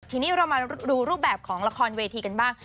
ทีนี้เรามาดูรูปแบบของละครเวทีกันบ้าง